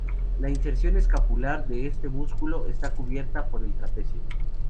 La inserción escapular de este músculo esta cubierta por el trapecio.